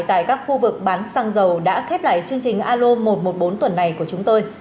tại các khu vực bán xăng dầu đã khép lại chương trình alo một trăm một mươi bốn tuần này của chúng tôi